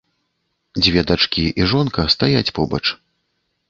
Дзве дачкі і жонка стаяць побач.